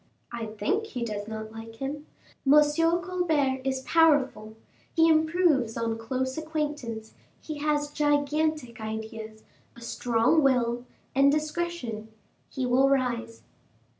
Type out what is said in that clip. "I think he does not like him. M. Colbert is powerful; he improves on close acquaintance; he has gigantic ideas, a strong will, and discretion; he will rise."